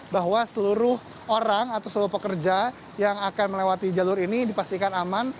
bahwa seluruh orang atau seluruh pekerja yang akan melewati jalur ini dipastikan aman